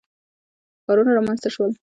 ښارونه رامنځته شول.